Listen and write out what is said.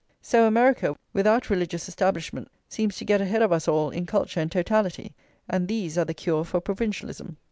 So America, without religious establishments, seems to get ahead of us all in culture and totality; and these are the cure for provincialism.